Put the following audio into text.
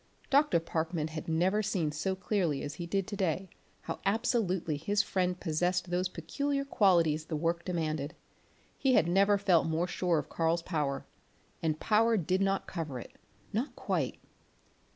Dr. Parkman had never seen so clearly as he did to day how absolutely his friend possessed those peculiar qualities the work demanded. He had never felt more sure of Karl's power; and power did not cover it not quite.